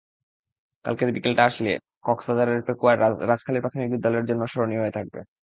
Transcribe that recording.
কালকের বিকেলটা আসলে কক্সবাজারের পেকুয়ার রাজাখালী প্রাথমিক বিদ্যালয়ের জন্যও স্মরণীয় হয়ে থাকবে।